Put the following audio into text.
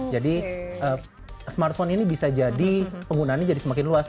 jadi smartphone ini bisa jadi penggunaannya jadi semakin luas